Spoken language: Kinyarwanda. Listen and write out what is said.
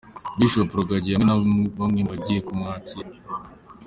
Bishop Rugagi hamwe na bamwe mu bagiye kumwakira